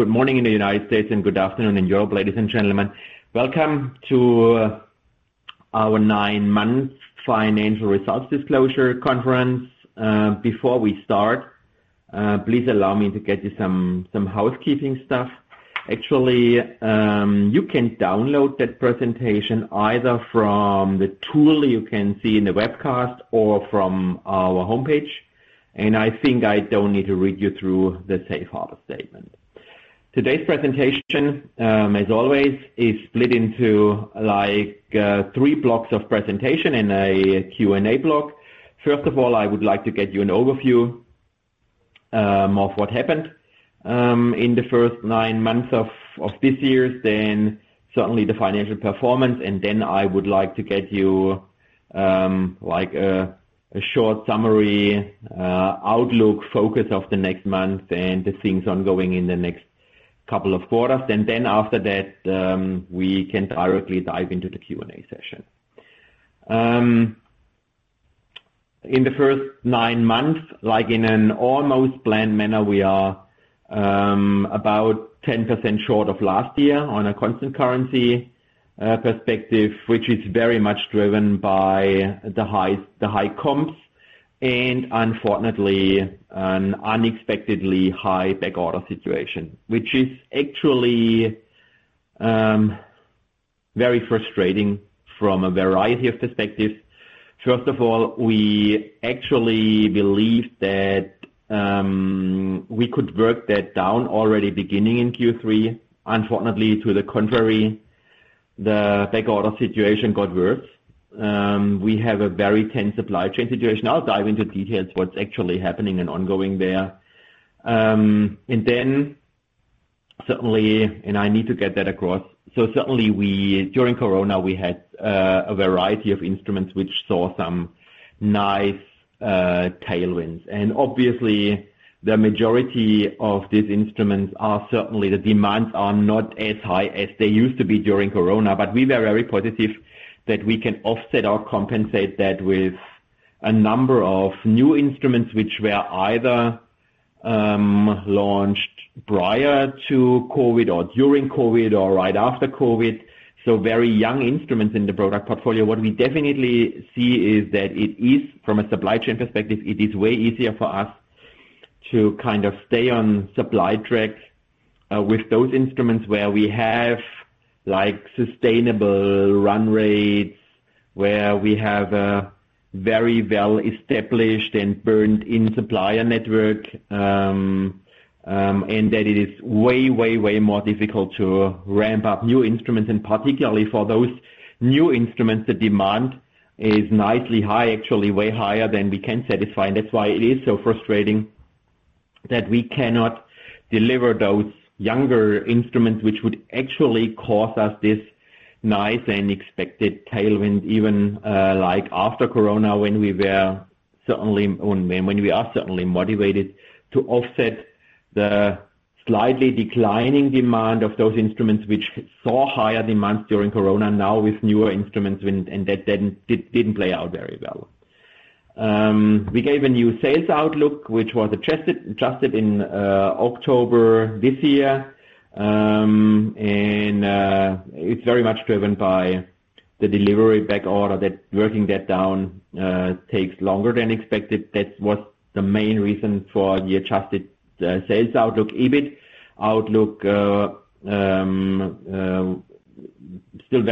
Good morning in the United States and good afternoon in Europe, ladies and gentlemen. Welcome to our nine-month financial results disclosure conference. Before we start, please allow me to get you some housekeeping stuff. Actually, you can download that presentation either from the tool you can see in the webcast or from our homepage, and I think I don't need to read you through the safe harbor statement. Today's presentation, as always, is split into, like, three blocks of presentation in a Q&A block. First of all, I would like to get you an overview of what happened in the first nine months of this year. Certainly the financial performance, and then I would like to get you a short summary outlook focus of the next month and the things ongoing in the next couple of quarters. After that, we can directly dive into the Q&A session. In the first nine months, like in an almost planned manner, we are about 10% short of last year on a constant currency perspective, which is very much driven by the high comps and unfortunately an unexpectedly high backorder situation. Which is actually very frustrating from a variety of perspectives. First of all, we actually believed that we could work that down already beginning in Q3. Unfortunately, to the contrary, the backorder situation got worse. We have a very tense supply chain situation. I'll dive into details what's actually happening and ongoing there. Then certainly I need to get that across. Certainly, during Corona, we had a variety of instruments which saw some nice tailwinds. Obviously the majority of these instruments are certainly the demands are not as high as they used to be during Corona, but we were very positive that we can offset or compensate that with a number of new instruments which were either launched prior to COVID or during COVID or right after COVID. Very young instruments in the product portfolio. What we definitely see is that it is from a supply chain perspective. It is way easier for us to kind of stay on supply track with those instruments where we have, like, sustainable run rates, where we have a very well-established and burned-in supplier network, and that it is way more difficult to ramp up new instruments. Particularly for those new instruments, the demand is nicely high, actually way higher than we can satisfy. That's why it is so frustrating that we cannot deliver those younger instruments, which would actually cause us this nice and expected tailwind even, like after Corona, when we are certainly motivated to offset the slightly declining demand of those instruments which saw higher demand during Corona now with newer instruments, and that didn't play out very well. We gave a new sales outlook, which was adjusted in October this year. It's very much driven by the delivery backorder, working that down takes longer than expected. That was the main reason for the adjusted sales outlook. EBIT outlook still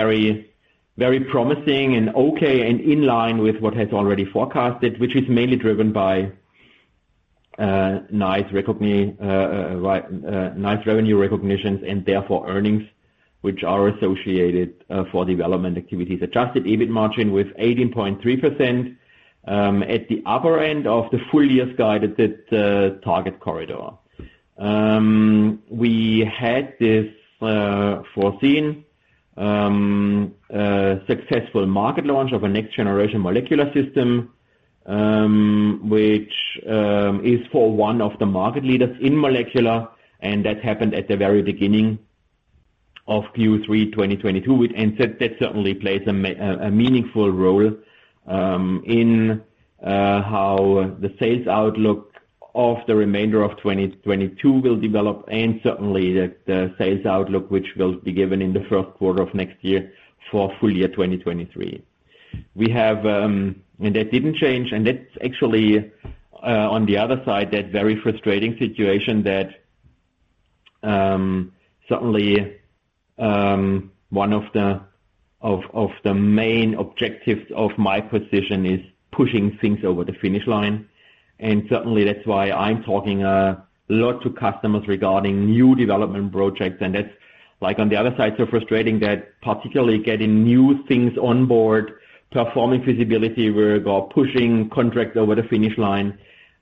very promising and okay and in line with what has already forecasted, which is mainly driven by nice revenue recognitions and therefore earnings which are associated for development activities. Adjusted EBIT margin with 18.3%, at the upper end of the full year's guided target corridor. We had this foreseen successful market launch of a next-generation molecular system, which is for one of the market leaders in molecular, and that happened at the very beginning of Q3 2022. That certainly plays a meaningful role in how the sales outlook of the remainder of 2022 will develop and certainly the sales outlook, which will be given in the first quarter of next year for full year 2023. That didn't change, and that's actually on the other side, that very frustrating situation that certainly one of the main objectives of my position is pushing things over the finish line. Certainly that's why I'm talking a lot to customers regarding new development projects. That's like on the other side, so frustrating that particularly getting new things on board, performing feasibility work or pushing contract over the finish line,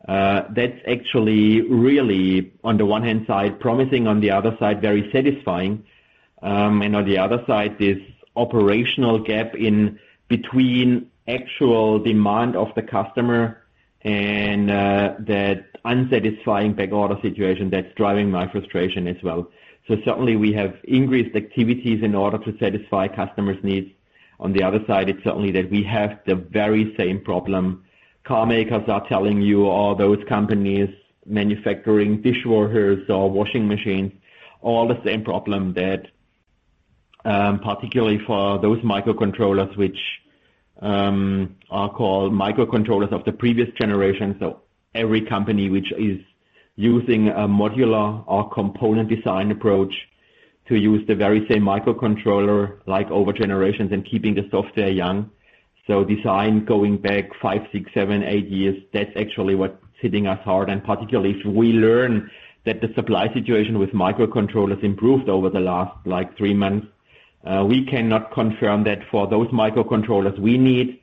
that's actually really, on the one hand side, promising, on the other side, very satisfying. On the other side, this operational gap in between actual demand of the customer and that unsatisfying backorder situation that's driving my frustration as well. Certainly we have increased activities in order to satisfy customers' needs. On the other side, it's certainly that we have the very same problem. Car makers are telling you all those companies manufacturing dishwashers or washing machines, all the same problem that, particularly for those microcontrollers which are called microcontrollers of the previous generation. Every company which is using a modular or component design approach to use the very same microcontroller, like over generations and keeping the software young. Design going back five, six, seven, eight years, that's actually what's hitting us hard. Particularly if we learn that the supply situation with microcontrollers improved over the last like three months, we cannot confirm that for those microcontrollers we need.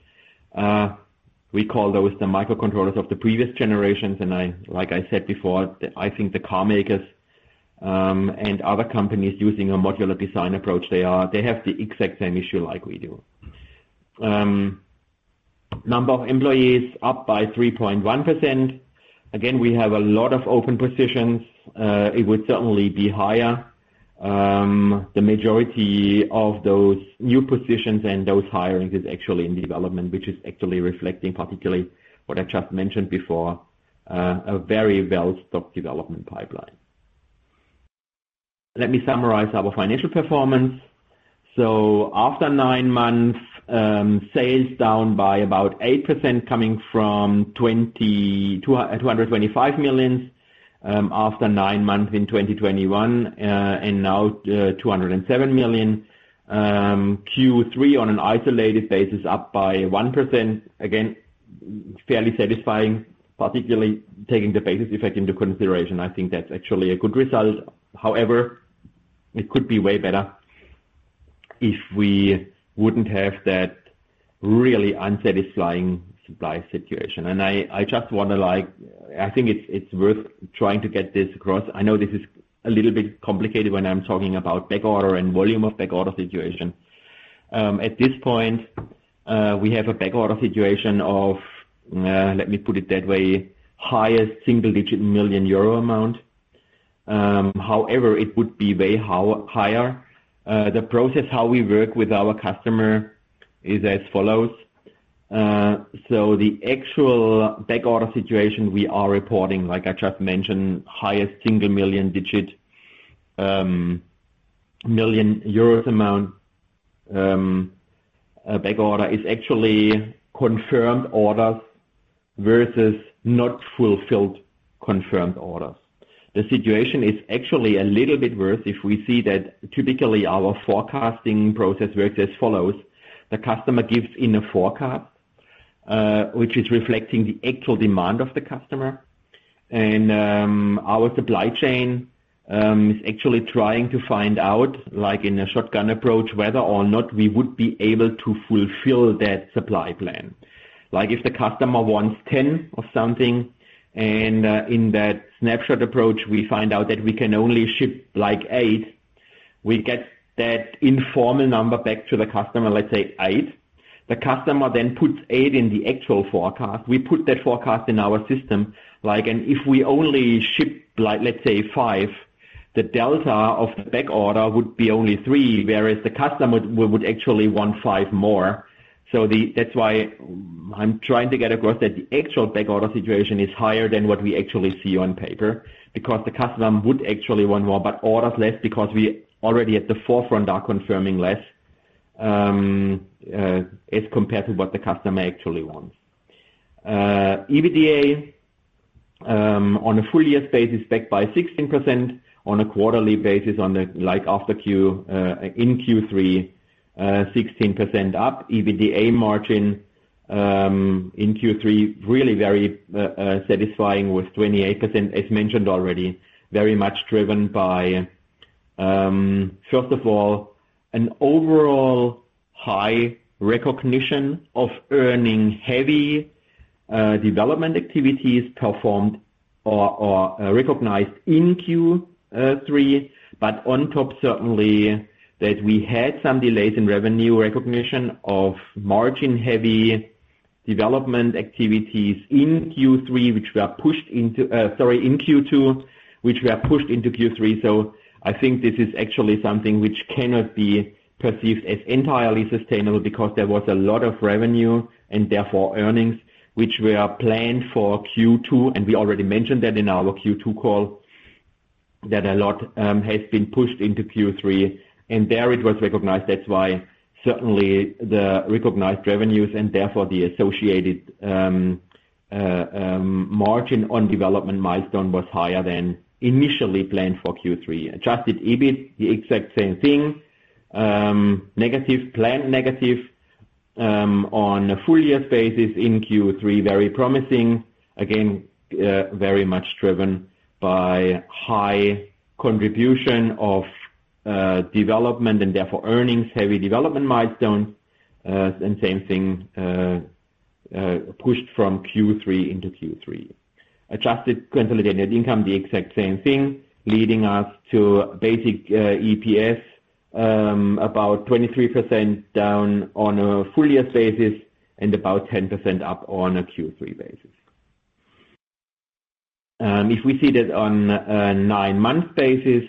We call those the microcontrollers of the previous generations. Like I said before, I think the car makers and other companies using a modular design approach, they have the exact same issue like we do. Number of employees up by 3.1%. Again, we have a lot of open positions. It would certainly be higher. The majority of those new positions and those hirings is actually in development, which is actually reflecting particularly what I just mentioned before, a very well stocked development pipeline. Let me summarize our financial performance. After nine months, sales down by about 8% coming from 225 million after nine months in 2021, and now 207 million. Q3 on an isolated basis, up by 1%. Again, fairly satisfying, particularly taking the basis effect into consideration. I think that's actually a good result. However, it could be way better if we wouldn't have that really unsatisfying supply situation. I just wonder, like, I think it's worth trying to get this across. I know this is a little bit complicated when I'm talking about backorder and volume of backorder situation. At this point, we have a backorder situation of, let me put it that way, highest single-digit million EUR amount. However, it would be way higher. The process, how we work with our customer is as follows. The actual backorder situation we are reporting, like I just mentioned, highest single million digit, million EUR amount, backorder is actually confirmed orders versus not fulfilled confirmed orders. The situation is actually a little bit worse if we see that typically our forecasting process works as follows. The customer gives us a forecast, which is reflecting the actual demand of the customer. Our supply chain is actually trying to find out, like in a shotgun approach, whether or not we would be able to fulfill that supply plan. Like, if the customer wants 10 of something, and in that snapshot approach, we find out that we can only ship like eight. We get that informal number back to the customer, let's say eight. The customer then puts eight in the actual forecast. We put that forecast in our system, like, and if we only ship, like, let's say five, the delta of the backorder would be only three, whereas the customer would actually want five more. That's why I'm trying to get across that the actual backorder situation is higher than what we actually see on paper, because the customer would actually want more, but orders less because we already at the forefront are confirming less, as compared to what the customer actually wants. EBITDA on a full year basis, backed by 16% on a quarterly basis like after Q in Q3, 16% up. EBITDA margin in Q3 really very satisfying with 28%, as mentioned already, very much driven by first of all an overall high recognition of earnings-heavy development activities performed or recognized in Q3. On top, certainly, that we had some delays in revenue recognition of margin-heavy development activities in Q2, which were pushed into Q3. I think this is actually something which cannot be perceived as entirely sustainable because there was a lot of revenue and therefore earnings, which were planned for Q2, and we already mentioned that in our Q2 call, that a lot has been pushed into Q3, and there it was recognized. That's why certainly the recognized revenues and therefore the associated margin on development milestone was higher than initially planned for Q3. Adjusted EBIT, the exact same thing. Negative plan, negative on a full year basis in Q3, very promising. Again, very much driven by high contribution of development and therefore earnings, heavy development milestones, and same thing pushed from Q3 into Q3. Adjusted consolidated income, the exact same thing, leading us to basic EPS, about 23% down on a full year basis and about 10% up on a Q3 basis. If we see that on a nine-month basis,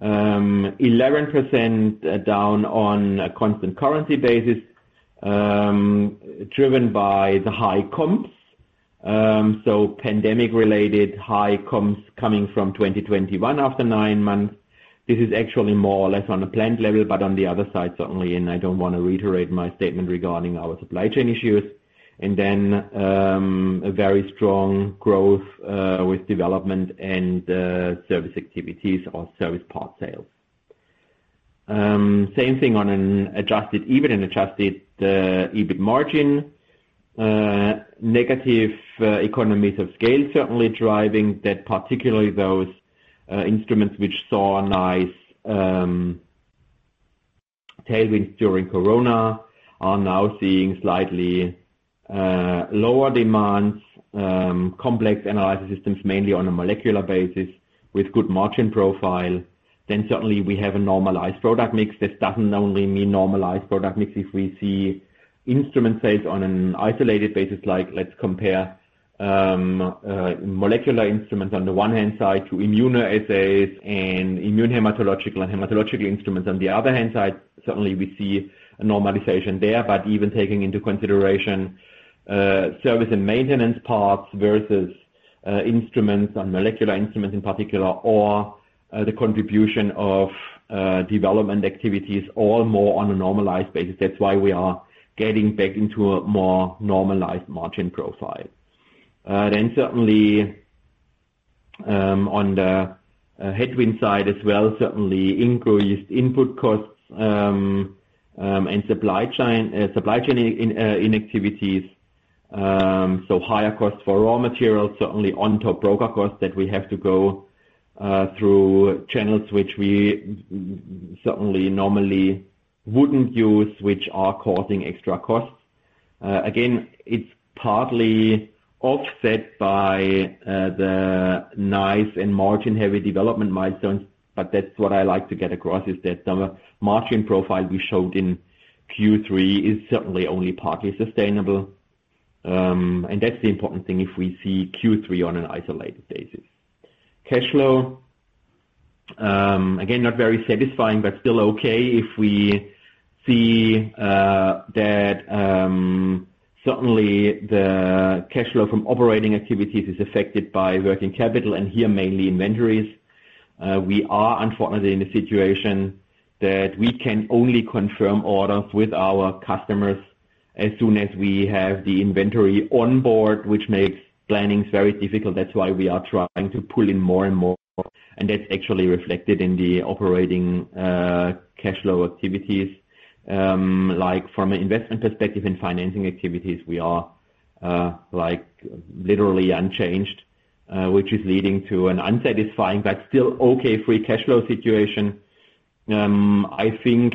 11% down on a constant currency basis, driven by the high comps. So pandemic-related high comps coming from 2021 after nine months. This is actually more or less on a plant level, but on the other side, certainly, and I don't want to reiterate my statement regarding our supply chain issues, and then a very strong growth with development and service activities or service part sales. Same thing on an adjusted EBIT and adjusted EBIT margin. Negative economies of scale certainly driving that, particularly those instruments which saw a nice tailwind during Corona are now seeing slightly lower demands, complex analyzer systems, mainly on a molecular basis with good margin profile. Certainly we have a normalized product mix. This doesn't only mean normalized product mix. If we see instrument sales on an isolated basis, like let's compare molecular instruments on the one hand side to immunoassays and immune hematological and hematological instruments on the other hand side, certainly we see a normalization there, but even taking into consideration service and maintenance parts versus instruments and molecular instruments in particular, or the contribution of development activities, all more on a normalized basis. That's why we are getting back into a more normalized margin profile. Certainly, on the headwind side as well, certainly increased input costs and supply chain activities. Higher costs for raw materials, certainly on top broker costs that we have to go through channels which we certainly normally wouldn't use, which are causing extra costs. Again, it's partly offset by the nice and margin-heavy development milestones, but that's what I like to get across, is that the margin profile we showed in Q3 is certainly only partly sustainable. That's the important thing if we see Q3 on an isolated basis. Cash flow, again, not very satisfying, but still okay. If we see that certainly the cash flow from operating activities is affected by working capital, and here mainly inventories. We are unfortunately in a situation that we can only confirm orders with our customers as soon as we have the inventory on board, which makes planning very difficult. That's why we are trying to pull in more and more, and that's actually reflected in the operating cash flow activities. Like from an investment perspective and financing activities, we are like literally unchanged, which is leading to an unsatisfying but still okay free cash flow situation. I think,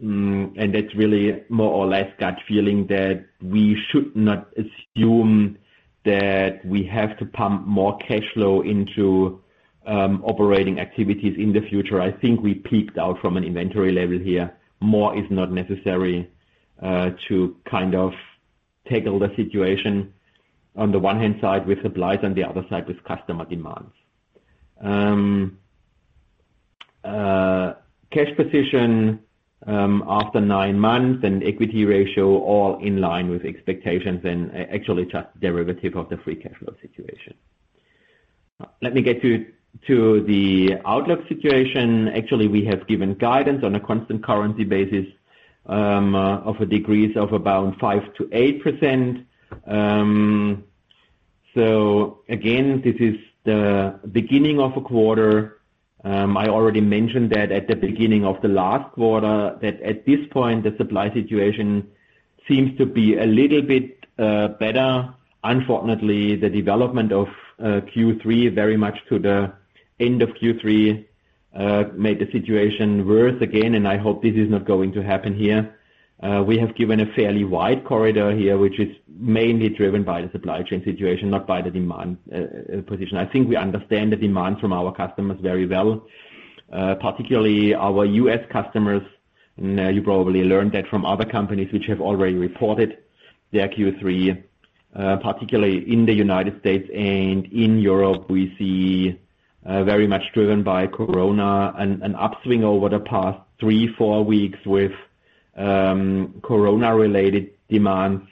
and that's really more or less gut feeling, that we should not assume that we have to pump more cash flow into operating activities in the future. I think we peaked out from an inventory level here. More is not necessary to kind of tackle the situation on the one-hand side with supplies, on the other side with customer demands. Cash position after nine months and equity ratio all in line with expectations and actually just derivative of the free cash flow situation. Let me get to the outlook situation. Actually, we have given guidance on a constant currency basis of a decrease of about 5%-8%. Again, this is the beginning of a quarter. I already mentioned that at the beginning of the last quarter, that at this point, the supply situation seems to be a little bit better. Unfortunately, the development of Q3 very much to the end of Q3 made the situation worse again, and I hope this is not going to happen here. We have given a fairly wide corridor here, which is mainly driven by the supply chain situation, not by the demand position. I think we understand the demand from our customers very well, particularly our U.S. customers. You probably learned that from other companies which have already reported their Q3, particularly in the United States and in Europe. We see very much driven by Corona an upswing over the past three, four weeks with Corona-related demands.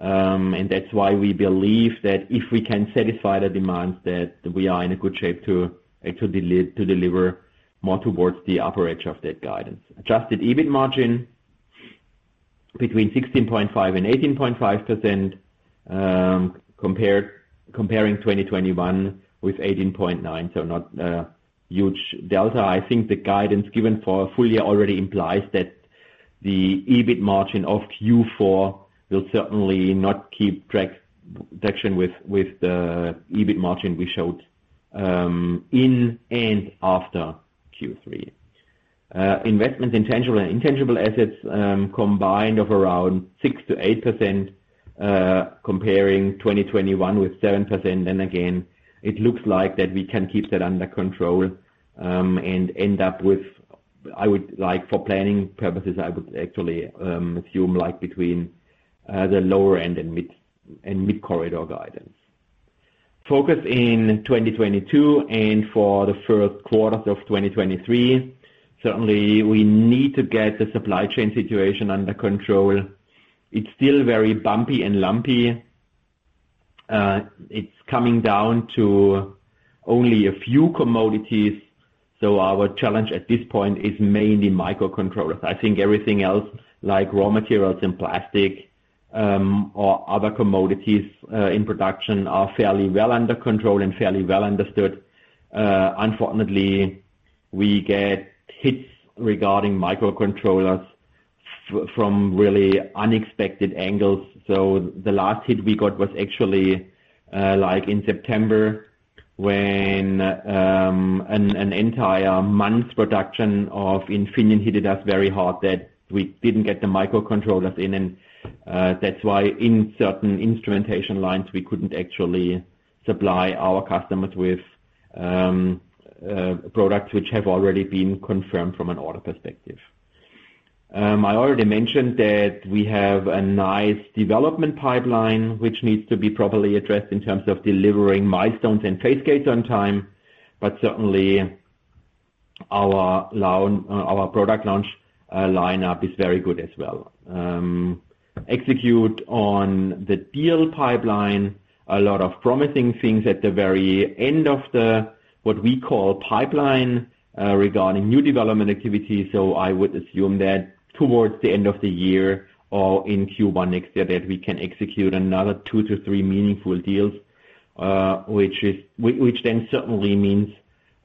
That's why we believe that if we can satisfy the demands, that we are in a good shape to deliver more towards the upper edge of that guidance. Adjusted EBIT margin between 16.5%-18.5%, comparing 2021 with 18.9%. Not a huge delta. I think the guidance given for full year already implies that the EBIT margin of Q4 will certainly not keep traction with the EBIT margin we showed in and after Q3. Investments in tangible and intangible assets combined of around 6%-8%, comparing 2021 with 7%. It looks like that we can keep that under control, and end up with, I would like for planning purposes, I would actually assume like between the lower end and mid-corridor guidance. Focus in 2022 and for the first quarter of 2023, certainly we need to get the supply chain situation under control. It's still very bumpy and lumpy. It's coming down to only a few commodities. So our challenge at this point is mainly microcontrollers. I think everything else, like raw materials and plastic, or other commodities in production are fairly well under control and fairly well understood. Unfortunately, we get hits regarding microcontrollers from really unexpected angles. The last hit we got was actually like in September when an entire month's production of Infineon hit us very hard that we didn't get the microcontrollers in. That's why in certain instrumentation lines we couldn't actually supply our customers with products which have already been confirmed from an order perspective. I already mentioned that we have a nice development pipeline which needs to be properly addressed in terms of delivering milestones and phase gates on time. Certainly our product launch lineup is very good as well. Execute on the deal pipeline. A lot of promising things at the very end of what we call pipeline regarding new development activities. I would assume that towards the end of the year or in Q1 next year, that we can execute another two to three meaningful deals. Which then certainly means,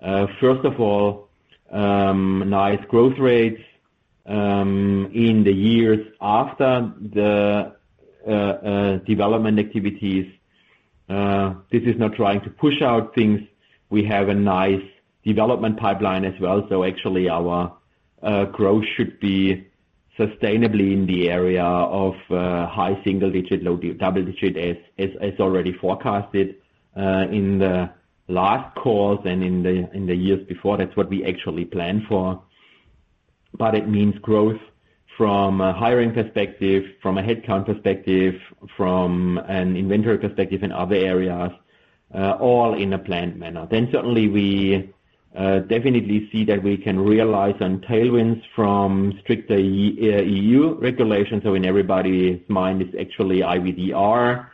first of all, nice growth rates, in the years after the development activities. This is not trying to push out things. We have a nice development pipeline as well. Actually our growth should be sustainably in the area of high single-digit, low double-digit, as already forecasted, in the last calls and in the years before. That's what we actually planned for. It means growth from a hiring perspective, from a headcount perspective, from an inventory perspective in other areas, all in a planned manner. Certainly we definitely see that we can realize on tailwinds from stricter EU regulations. In everybody's mind it's actually IVDR.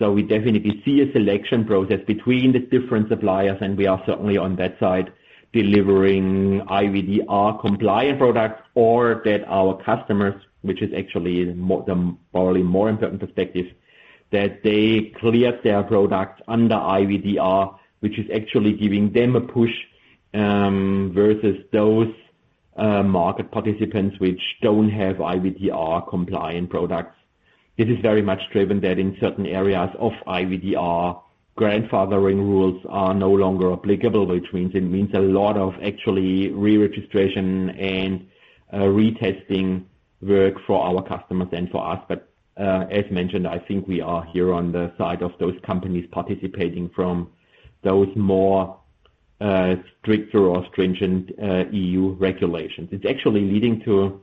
We definitely see a selection process between the different suppliers, and we are certainly on that side delivering IVDR compliant products. Or that our customers, which is actually the probably more important perspective, that they cleared their products under IVDR, which is actually giving them a push versus those market participants which don't have IVDR compliant products. It is very much driven that in certain areas of IVDR, grandfathering rules are no longer applicable, which means it means a lot of actually re-registration and retesting work for our customers and for us. As mentioned, I think we are here on the side of those companies participating from those more stricter or stringent EU regulations. It's actually leading to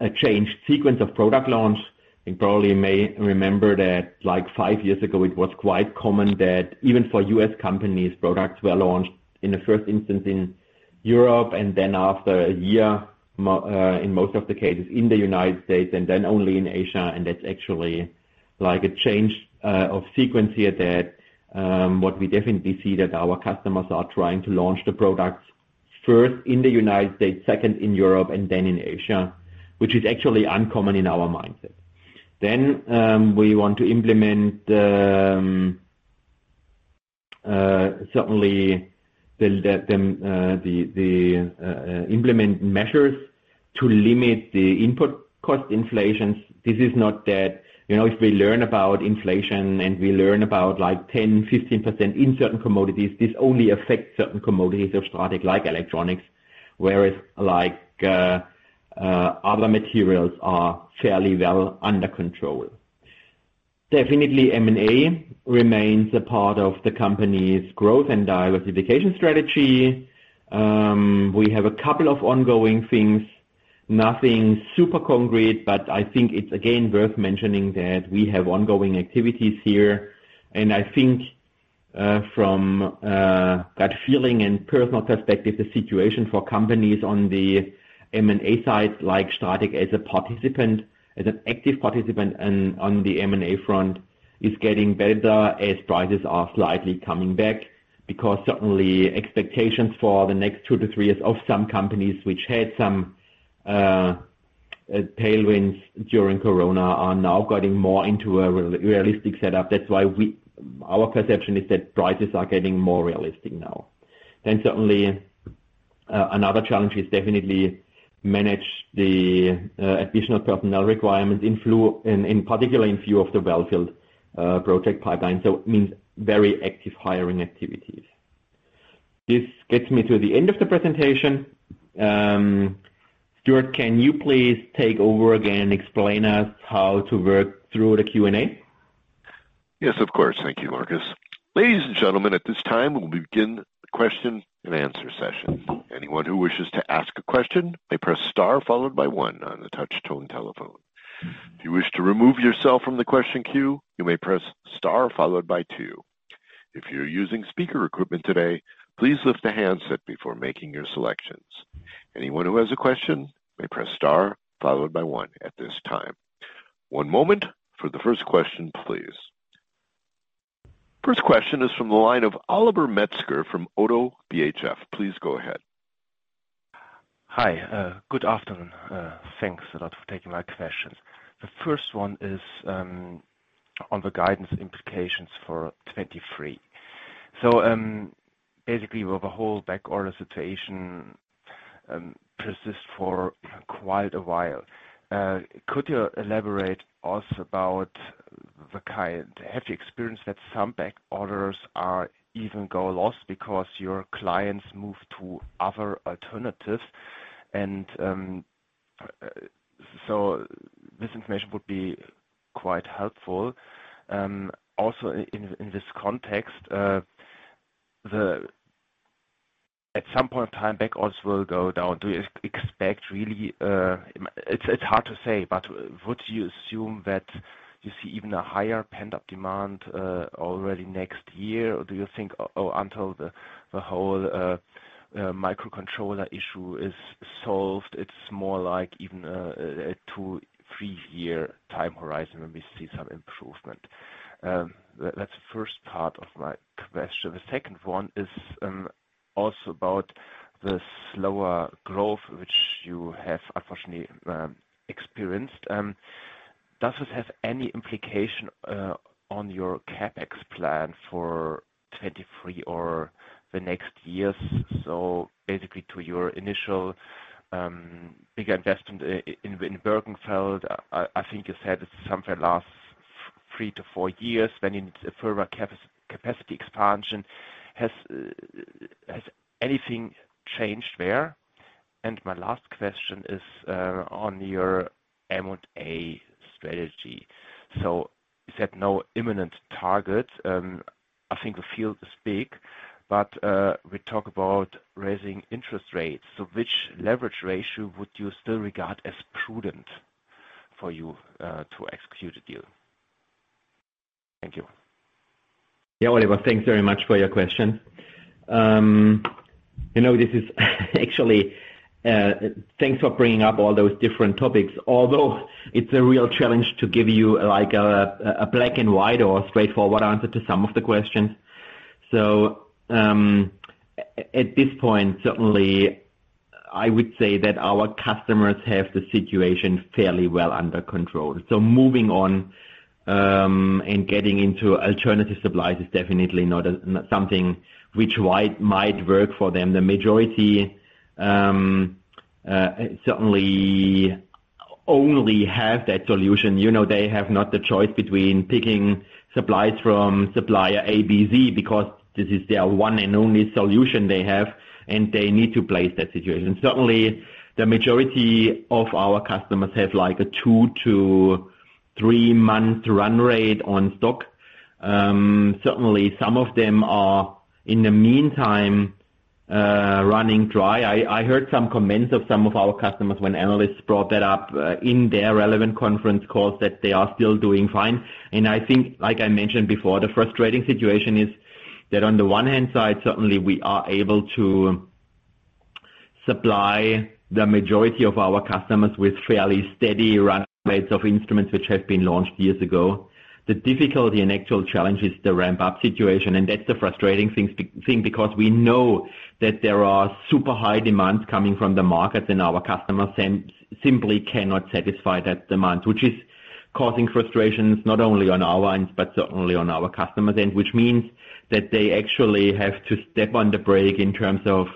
a changed sequence of product launch. You probably may remember that like five years ago it was quite common that even for U.S. companies, products were launched in the first instance in Europe, and then after a year, in most of the cases in the United States, and then only in Asia. That's actually like a change of sequence here that what we definitely see that our customers are trying to launch the products first in the United States, second in Europe, and then in Asia, which is actually uncommon in our mindset. We want to implement certainly the measures to limit the input cost inflations. This is not that. You know, if we learn about inflation and we learn about like 10%-15% in certain commodities, this only affects certain commodities of STRATEC like electronics, whereas like, other materials are fairly well under control. Definitely M&A remains a part of the company's growth and diversification strategy. We have a couple of ongoing things, nothing super concrete, but I think it's again worth mentioning that we have ongoing activities here. I think, from that feeling and personal perspective, the situation for companies on the M&A side, like STRATEC as a participant, as an active participant on the M&A front, is getting better as prices are slightly coming back. Because certainly expectations for the next two to three years of some companies which had some tailwinds during corona are now getting more into a realistic setup. That's why our perception is that prices are getting more realistic now. Certainly, another challenge is definitely manage the additional personnel requirements in particular in view of the well-filled project pipelines. It means very active hiring activities. This gets me to the end of the presentation. Stuart, can you please take over again, explain to us how to work through the Q&A? Yes, of course. Thank you, Marcus. Ladies and gentlemen, at this time, we'll begin the question-and-answer session. Anyone who wishes to ask a question may press star followed by one on the touch-tone telephone. If you wish to remove yourself from the question queue, you may press star followed by two. If you're using speaker equipment today, please lift the handset before making your selections. Anyone who has a question may press star followed by one at this time. One moment for the first question, please. First question is from the line of Oliver Metzger from ODDO BHF. Please go ahead. Hi. Good afternoon. Thanks a lot for taking my questions. The first one is on the guidance implications for 2023. Basically, with the whole backorder situation persist for quite a while, could you elaborate also about the kind have you experienced that some back orders are even go lost because your clients move to other alternatives? This information would be quite helpful. Also in this context, the At some point in time, back orders will go down. Do you expect really, it's hard to say, but would you assume that you see even a higher pent-up demand already next year? Or do you think until the whole microcontroller issue is solved, it's more like even a two, three-year time horizon when we see some improvement. That's the first part of my question. The second one is also about the slower growth, which you have unfortunately experienced. Does it have any implication on your CapEx plan for 2023 or the next years? Basically to your initial bigger investment in Birkenfeld. I think you said it's somewhere last three to four years when in further capacity expansion. Has anything changed there? My last question is on your M&A strategy. You said no imminent target. I think the field is big, but we talk about raising interest rates. Which leverage ratio would you still regard as prudent for you to execute a deal? Thank you. Oliver, thanks very much for your question. You know, this is actually thanks for bringing up all those different topics, although it's a real challenge to give you like a black and white or straightforward answer to some of the questions. At this point, certainly I would say that our customers have the situation fairly well under control. Moving on, and getting into alternative supplies is definitely not something which might work for them. The majority certainly only have that solution. You know, they have not the choice between picking supplies from supplier A, B, Z, because this is their one and only solution they have, and they need to face that situation. Certainly, the majority of our customers have like a two to three-month run rate on stock. Certainly some of them are, in the meantime, running dry. I heard some comments of some of our customers when analysts brought that up in their relevant conference calls that they are still doing fine. I think, like I mentioned before, the frustrating situation is that on the one hand side, certainly we are able to supply the majority of our customers with fairly steady run rates of instruments which have been launched years ago. The difficulty and actual challenge is the ramp-up situation, and that's the frustrating thing because we know that there are super high demands coming from the market, and our customers simply cannot satisfy that demand, which is causing frustrations not only on our end, but certainly on our customer's end, which means that they actually have to step on the brake in terms of,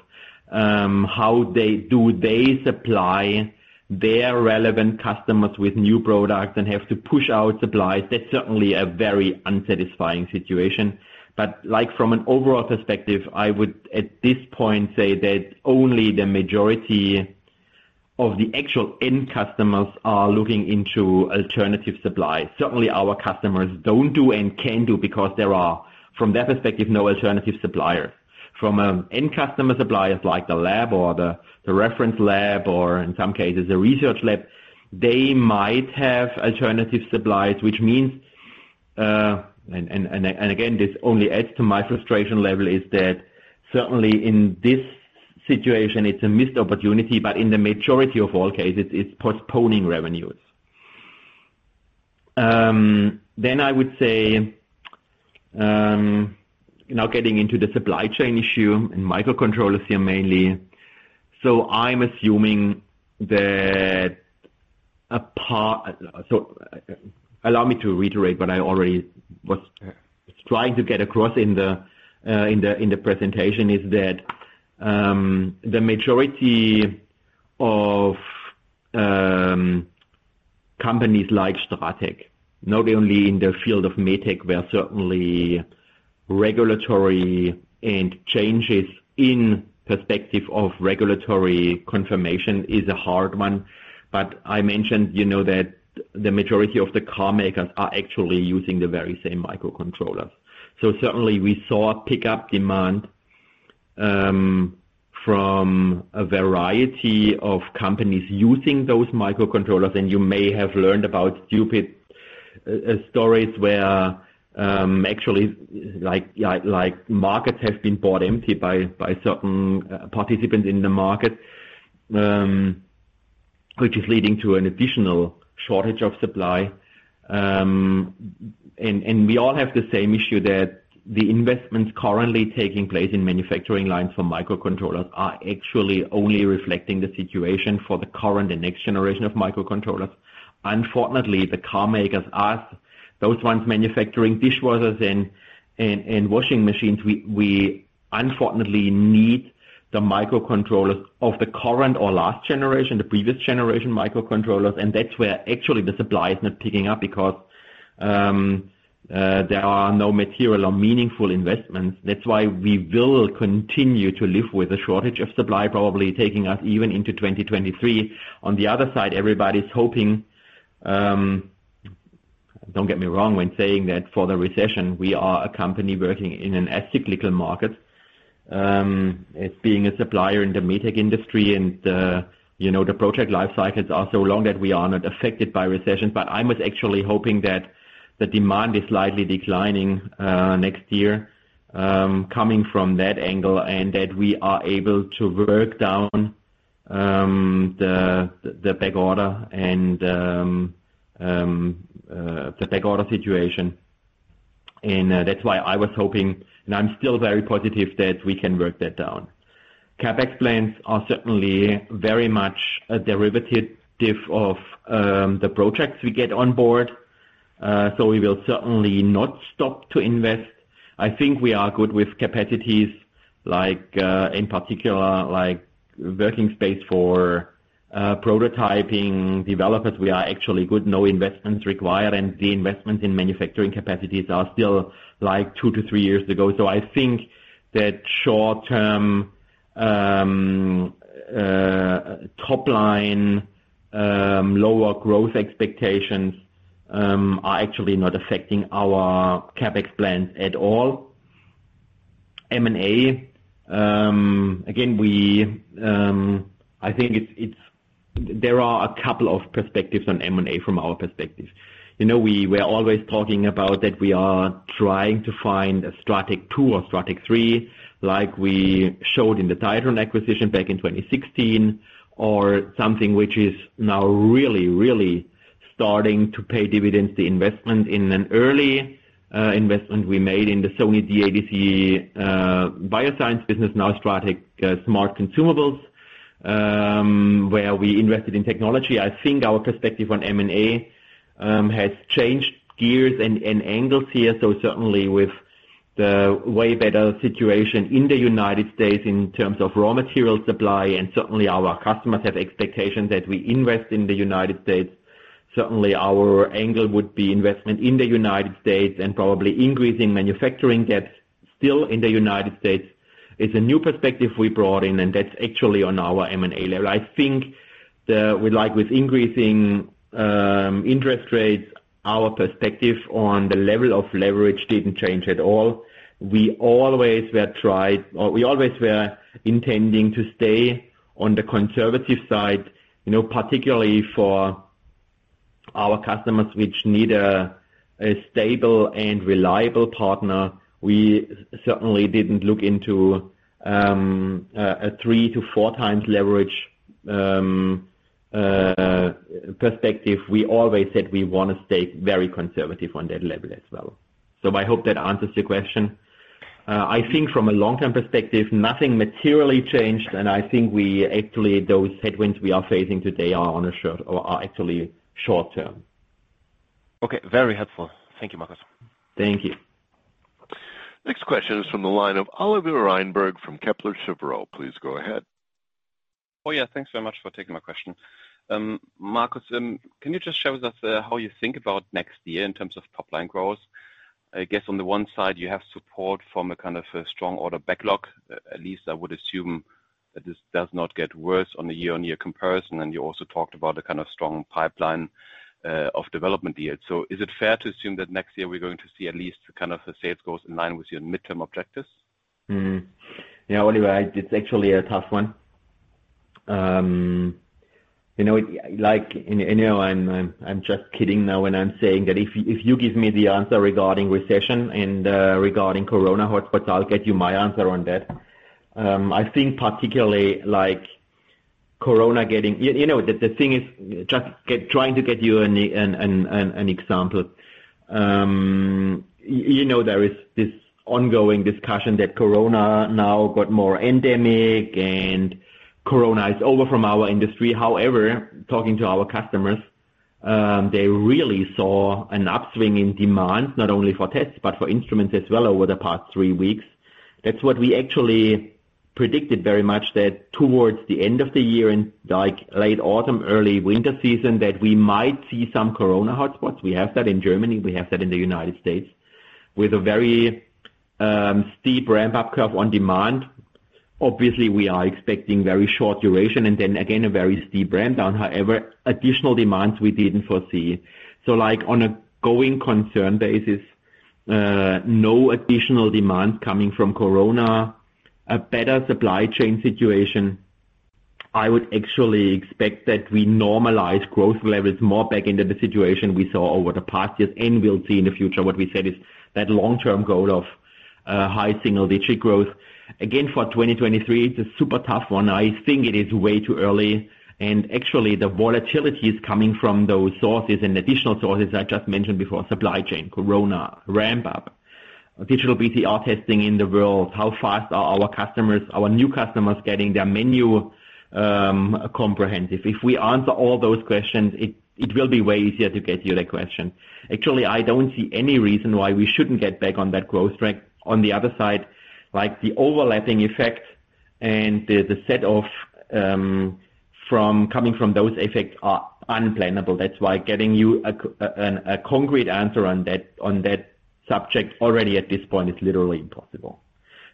how they supply their relevant customers with new products and have to push out supplies. That's certainly a very unsatisfying situation. Like from an overall perspective, I would at this point say that only the majority of the actual end customers are looking into alternative supplies. Certainly, our customers don't and can't do because there are, from their perspective, no alternative suppliers. From end customer suppliers like the lab or the reference lab or in some cases the research lab, they might have alternative supplies, which means, and again, this only adds to my frustration level is that certainly in this situation it's a missed opportunity, but in the majority of all cases, it's postponing revenues. I would say now getting into the supply chain issue and microcontroller issue mainly. I'm assuming that a part. Allow me to reiterate what I already was trying to get across in the presentation, is that the majority of companies like STRATEC, not only in the field of MedTech, where certainly regulatory and changes in perspective of regulatory confirmation is a hard one. I mentioned, you know, that the majority of the car makers are actually using the very same microcontrollers. Certainly we saw a pickup demand from a variety of companies using those microcontrollers, and you may have learned about stupid stories where actually, like, markets have been bought empty by certain participants in the market, which is leading to an additional shortage of supply. We all have the same issue that the investments currently taking place in manufacturing lines for microcontrollers are actually only reflecting the situation for the current and next generation of microcontrollers. Unfortunately, the car makers, us, those ones manufacturing dishwashers and washing machines, we unfortunately need the microcontrollers of the current or last generation, the previous generation microcontrollers. That's where actually the supply is not picking up because there are no material or meaningful investments. That's why we will continue to live with the shortage of supply, probably taking us even into 2023. On the other side, everybody's hoping, don't get me wrong when saying that for the recession, we are a company working in an as cyclical market as being a supplier in the MedTech industry. You know, the project life cycles are so long that we are not affected by recession. I was actually hoping that the demand is slightly declining next year, coming from that angle, and that we are able to work down the back order and the back order situation. That's why I was hoping, and I'm still very positive that we can work that down. CapEx plans are certainly very much a derivative of the projects we get on board. So we will certainly not stop to invest. I think we are good with capacities like, in particular, like working space for prototyping developers. We are actually good, no investments required, and the investments in manufacturing capacities are still like two to three years to go. I think that short term, top line, lower growth expectations, are actually not affecting our CapEx plans at all. M&A, again, I think there are a couple of perspectives on M&A from our perspective. You know, we were always talking about that we are trying to find a STRATEC two or STRATEC three, like we showed in the title and acquisition back in 2016 or something, which is now really starting to pay dividends. The investment in an early investment we made in the Sony DADC BioSciences business, now STRATEC smart consumables, where we invested in technology. I think our perspective on M&A has changed gears and angles here. Certainly with the way better situation in the United States in terms of raw material supply, and certainly our customers have expectations that we invest in the United States. Certainly our angle would be investment in the United States and probably increasing manufacturing gaps still in the United States. It's a new perspective we brought in, and that's actually on our M&A level. I think with increasing interest rates, our perspective on the level of leverage didn't change at all. We always were intending to stay on the conservative side. You know, particularly for our customers, which need a stable and reliable partner. We certainly didn't look into a three to 4x leverage perspective. We always said we wanna stay very conservative on that level as well. I hope that answers your question. I think from a long-term perspective, nothing materially changed, and I think we actually, those headwinds we are facing today are on a short or are actually short-term. Okay, very helpful. Thank you, Marcus. Thank you. Next question is from the line of Oliver Reinberg from Kepler Cheuvreux. Please go ahead. Oh, yeah, thanks very much for taking my question. Marcus, can you just share with us, how you think about next year in terms of top line growth? I guess on the one side, you have support from a kind of a strong order backlog. At least I would assume that this does not get worse on a year-on-year comparison. You also talked about a kind of strong pipeline of development deals. Is it fair to assume that next year we're going to see at least kind of a sales growth in line with your midterm objectives? Mm-hmm. Yeah, Oliver, it's actually a tough one. You know, like, you know, I'm just kidding now when I'm saying that if you give me the answer regarding recession and regarding Corona hotspots, I'll get you my answer on that. I think particularly like Corona getting, you know, the thing is just trying to get you an example. You know, there is this ongoing discussion that Corona now got more endemic and Corona is over for our industry. However, talking to our customers, they really saw an upswing in demand, not only for tests but for instruments as well over the past three weeks. That's what we actually predicted very much, that towards the end of the year, in like late autumn, early winter season, that we might see some Corona hotspots. We have that in Germany, we have that in the United States, with a very steep ramp-up curve on demand. Obviously, we are expecting very short duration and then again a very steep ramp down. However, additional demands we didn't foresee. So like on a going concern basis, no additional demand coming from corona, a better supply chain situation. I would actually expect that we normalize growth levels more back into the situation we saw over the past years, and we'll see in the future. What we said is that long-term goal of high single-digit growth. Again, for 2023, it's a super tough one. I think it is way too early. Actually, the volatility is coming from those sources and additional sources I just mentioned before, supply chain, corona, ramp up, digital PCR testing in the world. How fast are our customers, our new customers, getting their menu comprehensive? If we answer all those questions, it will be way easier to get you that question. Actually, I don't see any reason why we shouldn't get back on that growth track. On the other side, like the overlapping effect and the set off from, coming from those effects are unplannable. That's why getting you a concrete answer on that subject already at this point is literally impossible.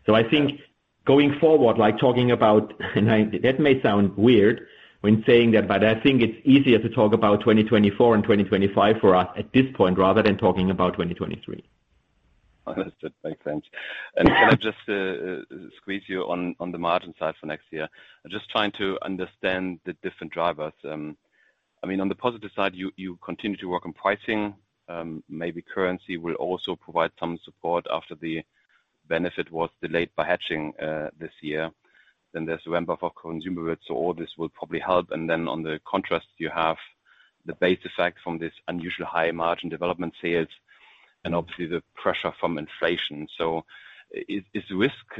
I think going forward, like talking about nine. That may sound weird when saying that, but I think it's easier to talk about 2024 and 2025 for us at this point rather than talking about 2023. Understood. Makes sense. Can I just squeeze you on the margin side for next year? I'm just trying to understand the different drivers. I mean, on the positive side, you continue to work on pricing. Maybe currency will also provide some support after the benefit was delayed by hedging this year. There's the ramp up of consumable goods. All this will probably help. Then on the contrast, you have the base effect from this unusually high margin development sales and obviously the pressure from inflation. Is risk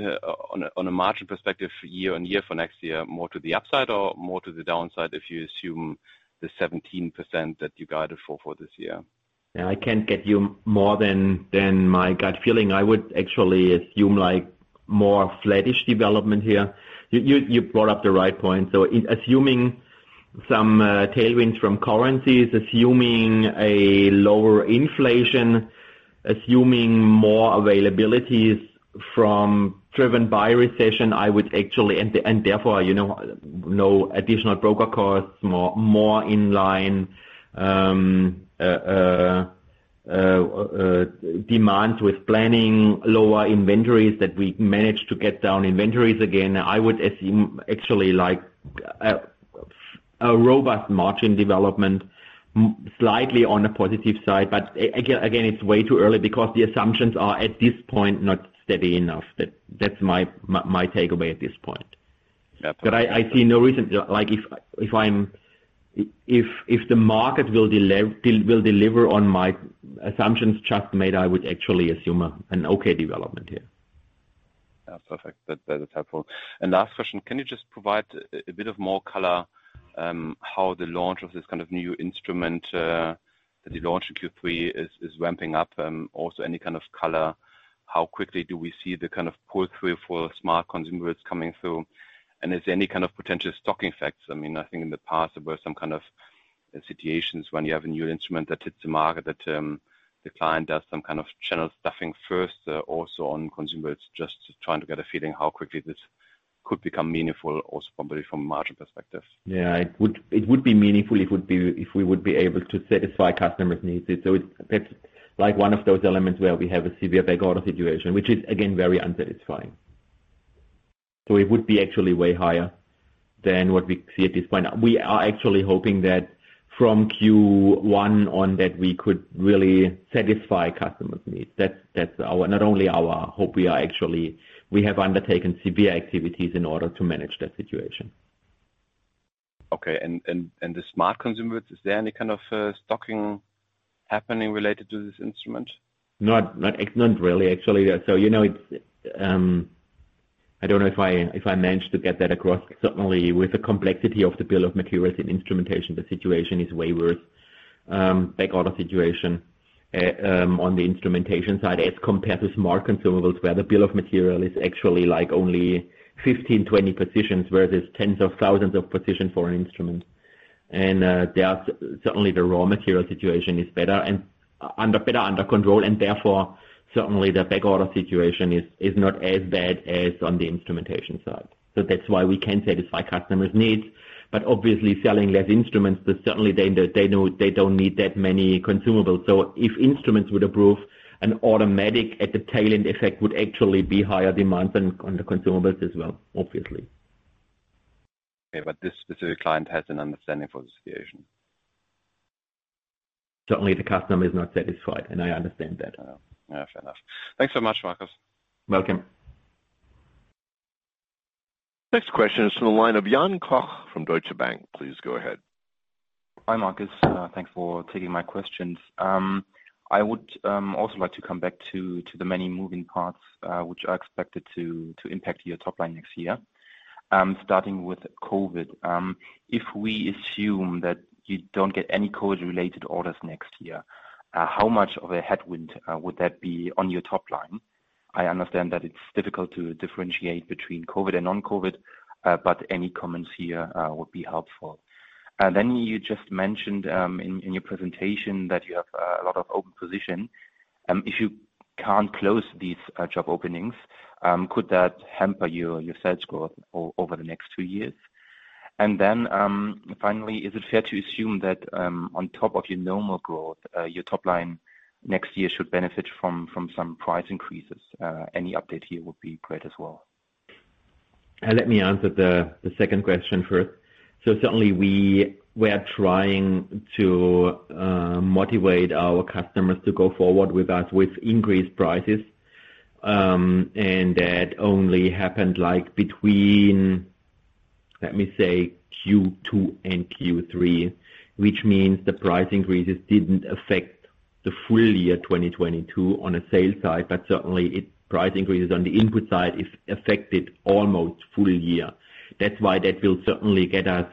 on a margin perspective year-on-year for next year more to the upside or more to the downside if you assume the 17% that you guided for this year? Yeah, I can't get you more than my gut feeling. I would actually assume like more flattish development here. You brought up the right point. I'm assuming some tailwinds from currencies, assuming a lower inflation, assuming more availabilities driven by recession, I would actually therefore, you know, no additional broker costs, more in line demand with planning lower inventories that we manage to get down inventories again. I would assume actually like a robust margin development slightly on the positive side. But again, it's way too early because the assumptions are, at this point, not steady enough. That's my takeaway at this point. Yeah. I see no reason. Like if the market will deliver on my assumptions just made, I would actually assume an okay development here. Yeah. Perfect. That is helpful. Last question, can you just provide a bit of more color how the launch of this kind of new instrument, the launch in Q3 is ramping up? Also any kind of color, how quickly do we see the kind of pull-through for smart consumables coming through? And is there any kind of potential stocking effects? I mean, I think in the past there were some kind of situations when you have a new instrument that hits the market, that the client does some kind of channel stuffing first, also on consumables. Just trying to get a feeling how quickly this could become meaningful also probably from a margin perspective. Yeah. It would be meaningful if we would be able to satisfy customers' needs. It's like one of those elements where we have a severe backorder situation, which is again, very unsatisfying. It would be actually way higher than what we see at this point. We are actually hoping that from Q1 on that we could really satisfy customers' needs. That's not only our hope, we have undertaken severe activities in order to manage that situation. Okay. The smart consumables, is there any kind of stocking happening related to this instrument? Not really actually. You know, it's I don't know if I managed to get that across. Certainly with the complexity of the bill of materials in instrumentation, the situation is way worse, backorder situation on the instrumentation side as compared to smart consumables, where the bill of material is actually like only 15, 20 positions, whereas there's tens of thousands of positions for an instrument. Certainly the raw material situation is better under control. Therefore, certainly the backorder situation is not as bad as on the instrumentation side. That's why we can't satisfy customers' needs. Obviously selling less instruments, but certainly they know they don't need that many consumables. If instruments would improve, an automatic at the tail end effect would actually be higher demand than on the consumables as well, obviously. Okay. This specific client has an understanding for the situation. Certainly the customer is not satisfied, and I understand that. Oh. Fair enough. Thanks so much, Marcus. Welcome. Next question is from the line of Jan Koch from Deutsche Bank. Please go ahead. Hi, Marcus. Thanks for taking my questions. I would also like to come back to the many moving parts which are expected to impact your top line next year. Starting with COVID. If we assume that you don't get any COVID-related orders next year, how much of a headwind would that be on your top line? I understand that it's difficult to differentiate between COVID and non-COVID, but any comments here would be helpful. You just mentioned in your presentation that you have a lot of open position. If you can't close these job openings, could that hamper your sales growth over the next two years? Finally, is it fair to assume that, on top of your normal growth, your top line next year should benefit from some price increases? Any update here would be great as well. Let me answer the second question first. Certainly we are trying to motivate our customers to go forward with us with increased prices, and that only happened like between, let me say, Q2 and Q3, which means the price increases didn't affect the full year 2022 on a sales side, but certainly price increases on the input side is affected almost full year. That's why that will certainly get us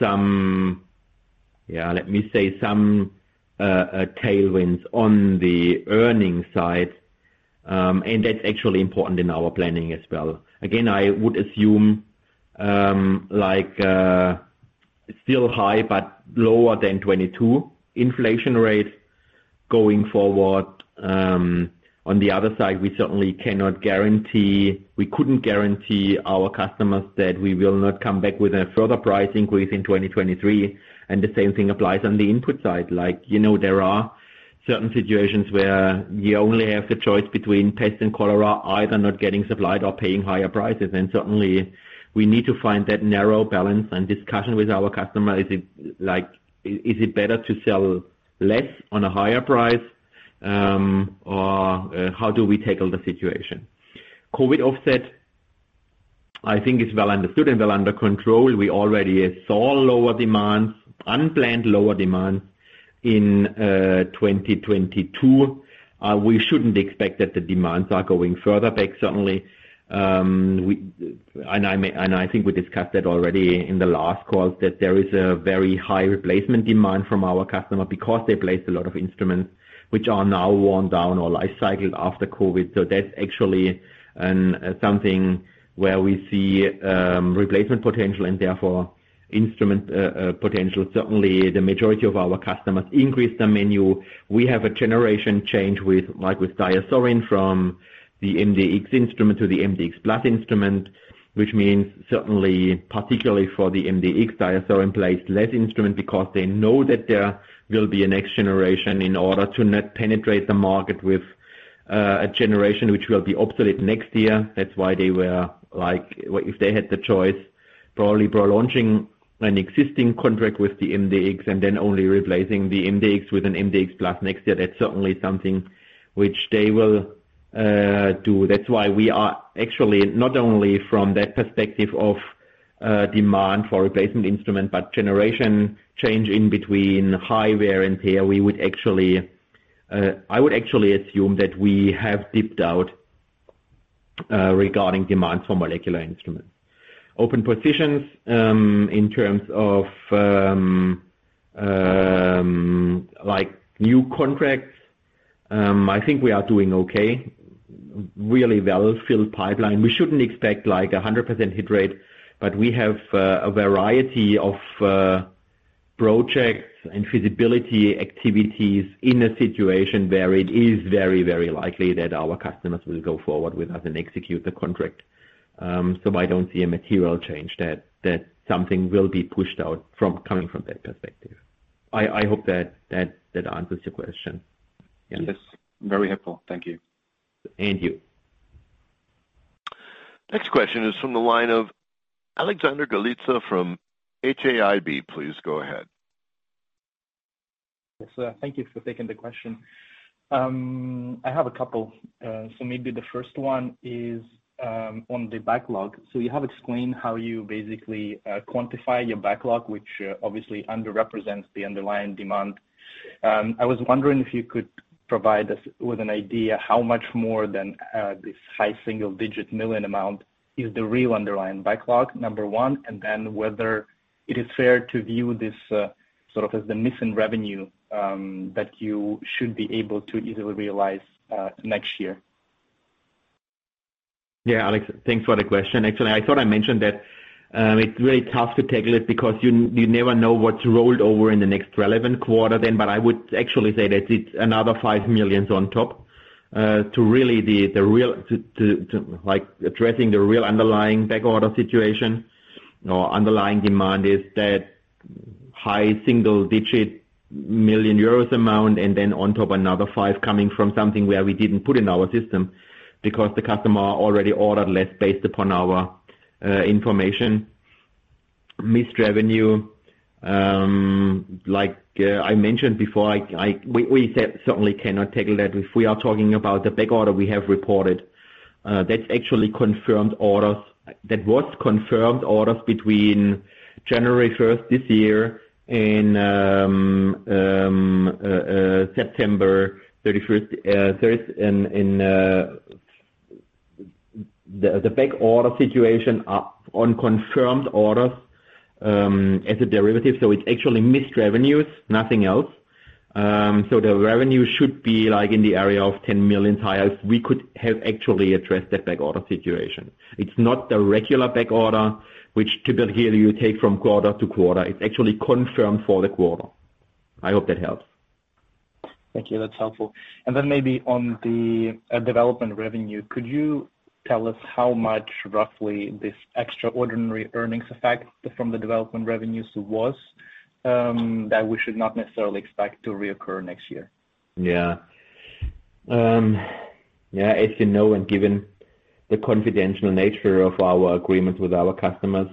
some, let me say some, tailwinds on the earnings side, and that's actually important in our planning as well. Again, I would assume, like, still high but lower than 22% inflation rate going forward. On the other side, we certainly couldn't guarantee our customers that we will not come back with a further price increase in 2023, and the same thing applies on the input side. Like, you know, there are certain situations where you only have the choice between pest and cholera, either not getting supplied or paying higher prices. Certainly we need to find that narrow balance and discussion with our customer. Is it like, is it better to sell less on a higher price, or how do we tackle the situation? COVID offset, I think is well understood and well under control. We already saw lower demand, unplanned lower demand in 2022. We shouldn't expect that the demands are going further back. Certainly, I think we discussed that already in the last call, that there is a very high replacement demand from our customer because they placed a lot of instruments which are now worn down or life-cycled after COVID. That's actually something where we see replacement potential and therefore instrument potential. Certainly, the majority of our customers increase the menu. We have a generation change with, like with DiaSorin from the MDX instrument to the MDX Plus instrument, which means certainly particularly for the MDX, DiaSorin placed fewer instruments because they know that there will be a next generation in order to not penetrate the market with a generation which will be obsolete next year. That's why they were like, if they had the choice, probably pro launching an existing contract with the MDX and then only replacing the MDX with an MDX Plus next year. That's certainly something which they will do. That's why we are actually not only from that perspective of demand for replacement instrument, but generation change in between high wear and tear. We would actually I would actually assume that we have bottomed out regarding demands for molecular instruments. Open positions in terms of like new contracts I think we are doing okay. Really well-filled pipeline. We shouldn't expect like a 100% hit rate, but we have a variety of projects and feasibility activities in a situation where it is very, very likely that our customers will go forward with us and execute the contract. I don't see a material change that something will be pushed out coming from that perspective. I hope that answers your question. Yes. Very helpful. Thank you. Thank you. Next question is from the line of Alexander Galitsa from HAIB. Please go ahead. Yes. Thank you for taking the question. I have a couple. Maybe the first one is on the backlog. You have explained how you basically quantify your backlog, which obviously underrepresents the underlying demand. I was wondering if you could provide us with an idea how much more than this high single-digit million amount is the real underlying backlog, number one. Whether it is fair to view this sort of as the missing revenue that you should be able to easily realize next year. Yeah. Alex, thanks for the question. Actually, I thought I mentioned that, it's really tough to tackle it because you never know what's rolled over in the next relevant quarter then. I would actually say that it's another 5 million on top, to really address the real underlying back order situation or underlying demand is that high single-digit million EUR amount and then on top another 5 million coming from something where we didn't put in our system because the customer already ordered less based upon our information. Missed revenue, like I mentioned before, we certainly cannot tackle that. If we are talking about the back order we have reported, that's actually confirmed orders. That was confirmed orders between January 1st this year and September 31st. Third, in the back order situation are unconfirmed orders, as a derivative. It's actually missed revenues, nothing else. The revenue should be like in the area of 10 million higher. We could have actually addressed that back order situation. It's not the regular back order which typically you take from quarter-to-quarter. It's actually confirmed for the quarter. I hope that helps. Thank you. That's helpful. Then maybe on the development revenue, could you tell us how much roughly this extraordinary earnings effect from the development revenues was, that we should not necessarily expect to reoccur next year? Yeah. Yeah, as you know, given the confidential nature of our agreement with our customers,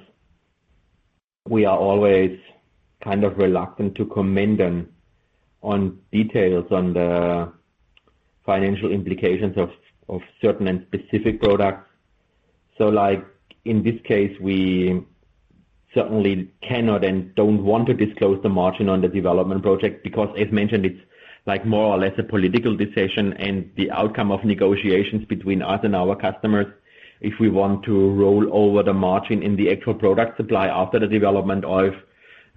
we are always kind of reluctant to comment on details on the financial implications of certain and specific products. Like, in this case, we certainly cannot and don't want to disclose the margin on the development project, because as mentioned, it's like more or less a political decision and the outcome of negotiations between us and our customers. If we want to roll over the margin in the actual product supply after the development, or if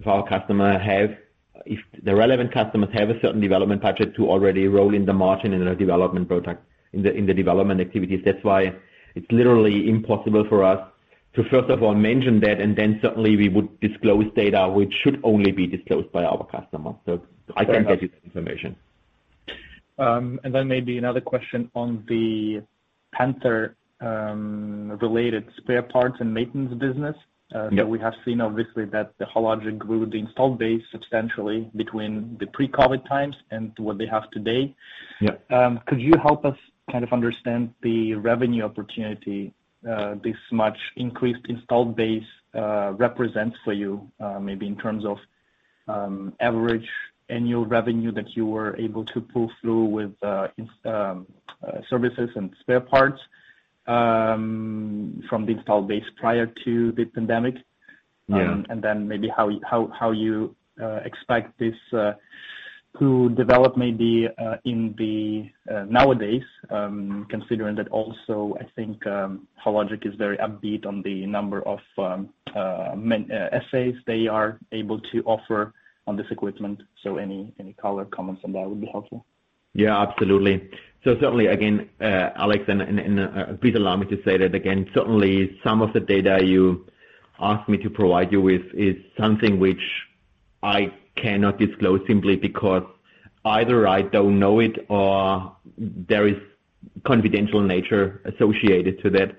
our customer have—if the relevant customers have a certain development budget to already roll in the margin in the development product, in the development activities. That's why it's literally impossible for us to first of all mention that, and then certainly we would disclose data which should only be disclosed by our customer. I can't get you that information. Maybe another question on the Panther related spare parts and maintenance business. Yeah. That we have seen obviously that Hologic grew the installed base substantially between the pre-COVID times and what they have today. Yeah. Could you help us kind of understand the revenue opportunity this much increased installed base represents for you, maybe in terms of average annual revenue that you were able to pull through with services and spare parts from the installed base prior to the pandemic? Yeah. Then maybe how you expect this to develop maybe in the nowadays considering that also I think Hologic is very upbeat on the number of menu assays they are able to offer on this equipment. Any color comments on that would be helpful. Yeah, absolutely. Certainly, again, Alex, please allow me to say that again, certainly some of the data you asked me to provide you with is something which I cannot disclose simply because either I don't know it or there is confidential nature associated to that.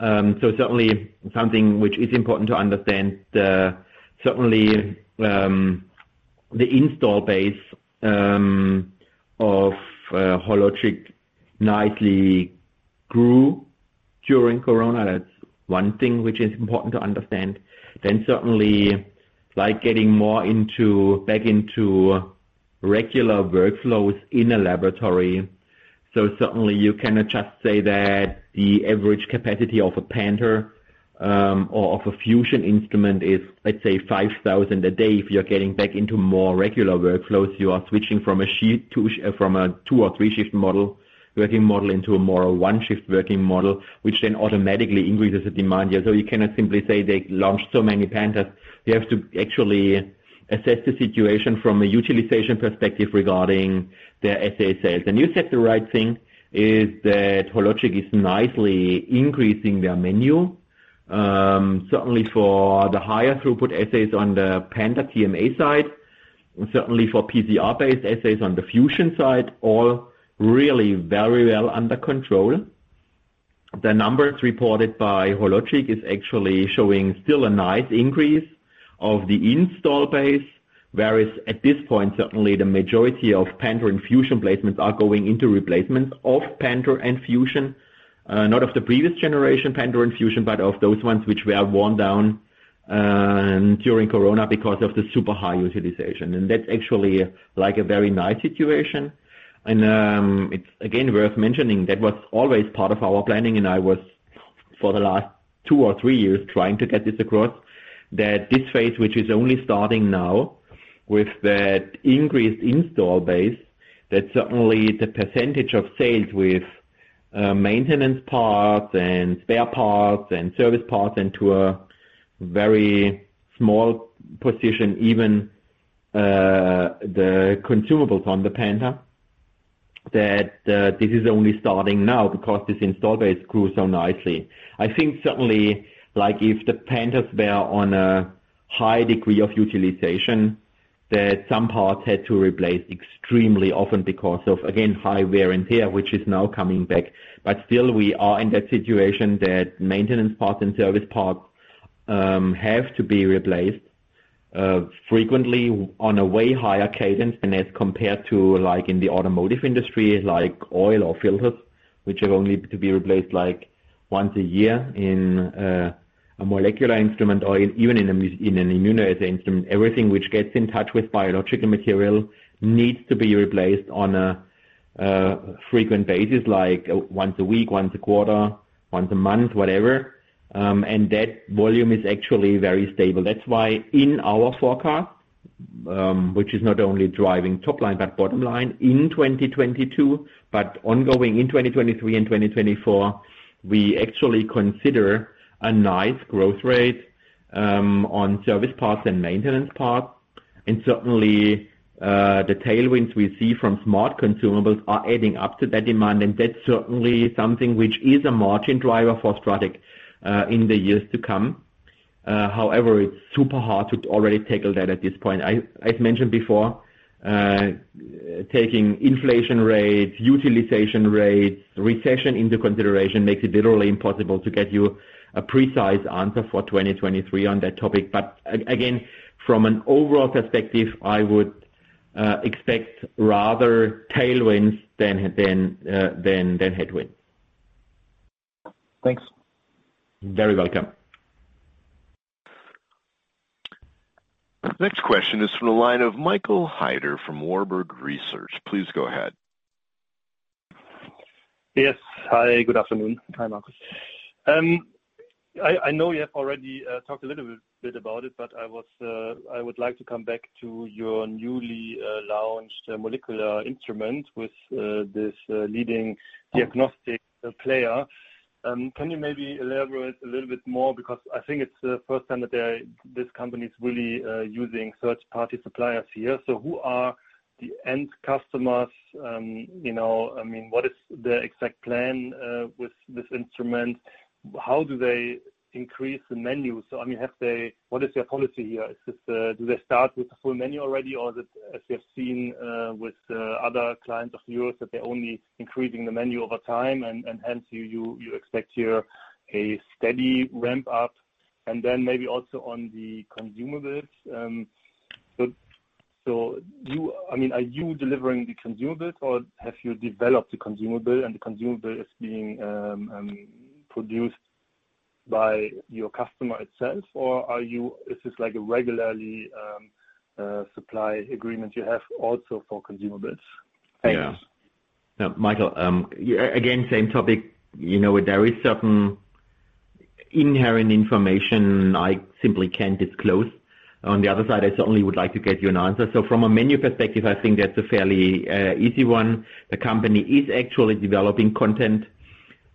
Certainly something which is important to understand, certainly, the installed base of Hologic nicely grew during Corona. That's one thing which is important to understand. Certainly like getting back into regular workflows in a laboratory. Certainly you cannot just say that the average capacity of a Panther or of a Fusion instrument is, let's say, 5,000 a day. If you're getting back into more regular workflows, you are switching from a two or three-shift model, working model into a more one-shift working model, which then automatically increases the demand. Yeah. You cannot simply say they launched so many Panthers. You have to actually assess the situation from a utilization perspective regarding their assay sales. You said the right thing is that Hologic is nicely increasing their menu. Certainly for the higher throughput assays on the Panther TMA side, and certainly for PCR-based assays on the Fusion side, all really very well under control. The numbers reported by Hologic is actually showing still a nice increase of the installed base. Whereas at this point, certainly the majority of Panther and Fusion placements are going into replacements of Panther and Fusion, not of the previous generation Panther and Fusion, but of those ones which were worn down during Corona because of the super high utilization. That's actually like a very nice situation. It's again worth mentioning that was always part of our planning, and I was for the last two or three years trying to get this across. This phase, which is only starting now with that increased installed base, certainly the percentage of sales with maintenance parts and spare parts and service parts into a very small position, even the consumables on the Panther, this is only starting now because this installed base grew so nicely. I think certainly, like if the Panthers were on a high degree of utilization, that some parts had to replace extremely often because of, again, high wear and tear, which is now coming back. Still we are in that situation that maintenance parts and service parts have to be replaced frequently on a way higher cadence than as compared to like in the automotive industry, like oil or filters, which have only to be replaced like once a year. In a molecular instrument or even in an immunoassay instrument, everything which gets in touch with biological material needs to be replaced on a frequent basis, like once a week, once a quarter, once a month, whatever. That volume is actually very stable. That's why in our forecast, which is not only driving top line, but bottom line in 2022, but ongoing in 2023 and 2024, we actually consider a nice growth rate, on service parts and consumables. Certainly, the tailwinds we see from smart consumables are adding up to that demand. That's certainly something which is a margin driver for STRATEC, in the years to come. However, it's super hard to already tackle that at this point. I mentioned before, taking inflation rates, utilization rates, recession into consideration makes it literally impossible to get you a precise answer for 2023 on that topic. Again, from an overall perspective, I would expect rather tailwinds than headwinds. Thanks. You're very welcome. Next question is from the line of Michael Heider from Warburg Research. Please go ahead. Yes. Hi, good afternoon. Hi, Marcus. I know you have already talked a little bit about it, but I would like to come back to your newly launched molecular instrument with this leading diagnostic player. Can you maybe elaborate a little bit more? Because I think it's the first time that this company is really using third-party suppliers here. Who are the end customers? You know, I mean, what is the exact plan with this instrument? How do they increase the menu? I mean, what is their policy here? Do they start with the full menu already or is it, as we have seen, with other clients of yours that they're only increasing the menu over time and hence you expect here a steady ramp up? Then maybe also on the consumables. So, I mean, are you delivering the consumables or have you developed the consumable and the consumable is being produced by your customer itself? Or is this like a regular supply agreement you have also for consumables? Thanks. Yeah. No, Michael, again, same topic. You know, there is certain inherent information I simply can't disclose. On the other side, I certainly would like to get you an answer. From a menu perspective, I think that's a fairly easy one. The company is actually developing content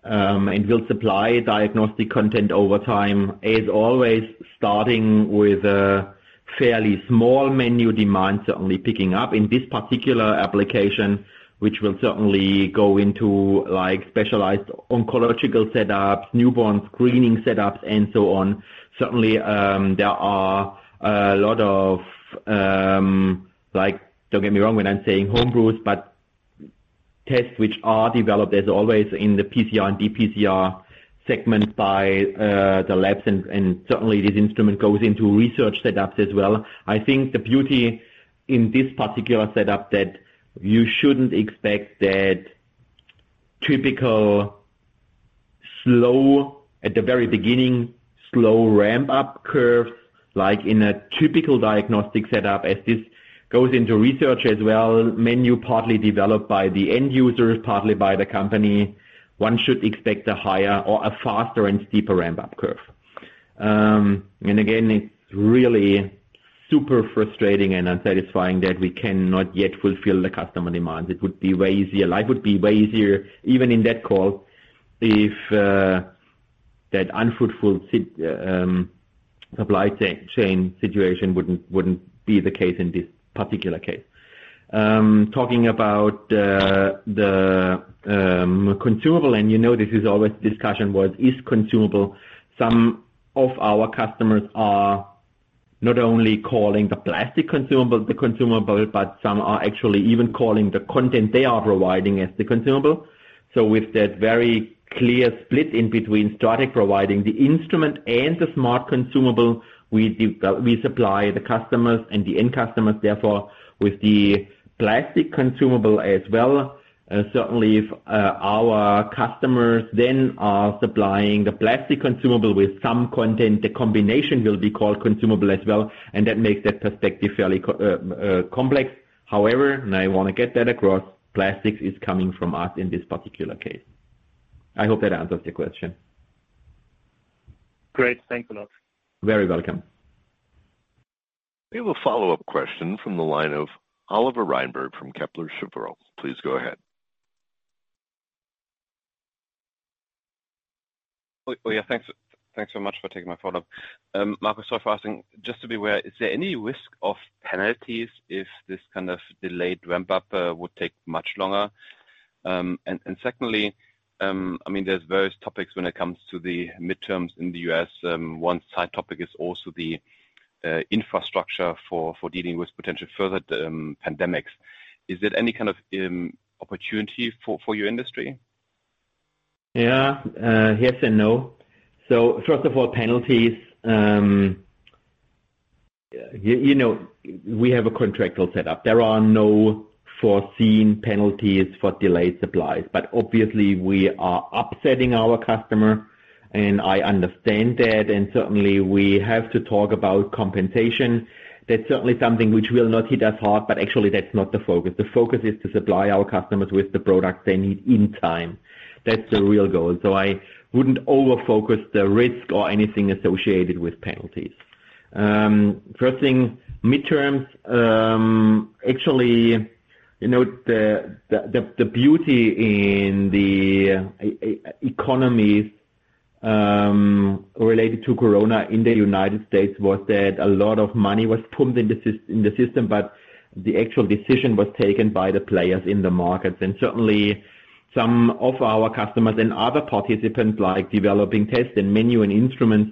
and will supply diagnostic content over time. As always, starting with a fairly small menu demand, certainly picking up in this particular application, which will certainly go into like specialized oncological setups, newborn screening setups, and so on. Certainly, there are a lot of, like, don't get me wrong when I'm saying home brews, but tests which are developed as always in the PCR and DPCR segment by the labs and certainly this instrument goes into research setups as well. I think the beauty in this particular setup that you shouldn't expect that typical slow at the very beginning, slow ramp-up curves like in a typical diagnostic setup as this goes into research as well. Menu partly developed by the end users, partly by the company. One should expect a higher or a faster and steeper ramp-up curve. It's really super frustrating and unsatisfying that we cannot yet fulfill the customer demands. It would be way easier. Life would be way easier even in that call if that unfortunate supply chain situation wouldn't be the case in this particular case. Talking about the consumable, and you know, this is always a discussion, what is consumable. Some of our customers are not only calling the plastic consumable the consumable, but some are actually even calling the content they are providing as the consumable. With that very clear split in between STRATEC providing the instrument and the smart consumable, we supply the customers and the end customers, therefore, with the plastic consumable as well. Certainly if our customers then are supplying the plastic consumable with some content, the combination will be called consumable as well, and that makes that perspective fairly complex. However, I wanna get that across, plastics is coming from us in this particular case. I hope that answers your question. Great. Thanks a lot. Very welcome. We have a follow-up question from the line of Oliver Reinberg from Kepler Cheuvreux. Please go ahead. Thanks so much for taking my follow-up. Marcus, first thing, just to be aware, is there any risk of penalties if this kind of delayed ramp up would take much longer? Secondly, I mean, there's various topics when it comes to the midterms in the U.S. One side topic is also the infrastructure for dealing with potential further pandemics. Is there any kind of opportunity for your industry? Yeah. Yes and no. First of all, penalties. You know, we have a contractual set up. There are no foreseen penalties for delayed supplies, but obviously we are upsetting our customer, and I understand that, and certainly we have to talk about compensation. That's certainly something which will not hit us hard, but actually that's not the focus. The focus is to supply our customers with the products they need in time. That's the real goal. I wouldn't over-focus the risk or anything associated with penalties. First thing, midterms. Actually, you know, the beauty in the economies related to Corona in the United States was that a lot of money was pumped in the system, but the actual decision was taken by the players in the markets. Certainly some of our customers and other participants, like developing tests and menu and instruments,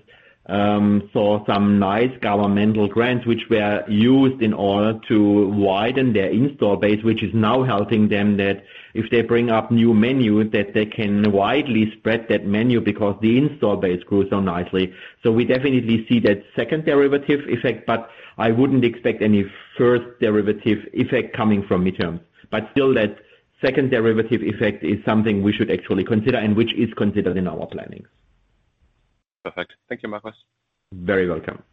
saw some nice governmental grants which were used in order to widen their installed base, which is now helping them that if they bring up new menu, that they can widely spread that menu because the installed base grew so nicely. We definitely see that second derivative effect, but I wouldn't expect any first derivative effect coming from midterms. Still that second derivative effect is something we should actually consider and which is considered in our planning. Perfect. Thank you, Marcus. Very welcome.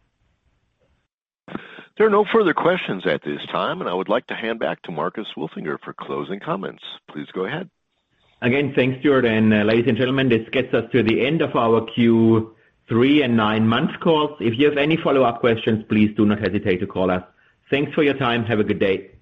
There are no further questions at this time, and I would like to hand back to Marcus Wolfinger for closing comments. Please go ahead. Again, thanks, Stuart. Ladies and gentlemen, this gets us to the end of our Q3 and nine-month calls. If you have any follow-up questions, please do not hesitate to call us. Thanks for your time. Have a good day.